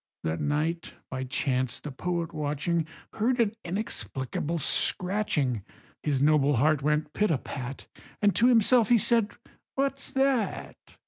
That night, by chance, the poet watching, Heard an inexplicable scratching; His noble heart went pit a pat, And to himself he said "What's that?"